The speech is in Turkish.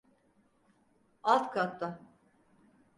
Alt katta.